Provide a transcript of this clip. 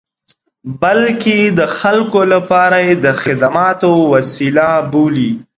بلکې د خلکو لپاره یې د خدماتو وسیله بولي.